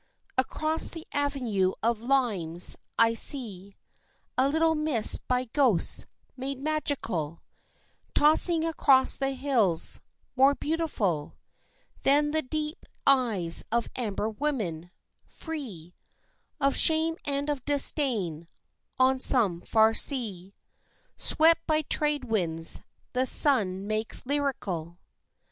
Across the avenue of limes I see A little mist by ghosts made magical, Tossing across the hills, more beautiful Than the deep eyes of amber women, free Of shame and of disdain, on some far sea Swept by trade winds the sun makes lyrical.